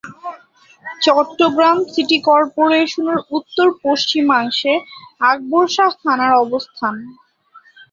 Chittagong city কর্পোরেশনের উত্তর-পশ্চিমাংশে আকবর শাহ থানার অবস্থান।